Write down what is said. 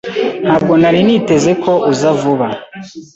Ntabwo nari niteze ko uza vuba.